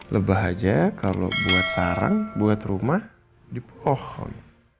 lebah aja kalau buat sarang buat rumah di pohon